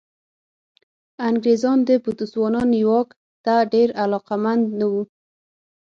انګرېزان د بوتسوانا نیواک ته ډېر علاقمند نه وو.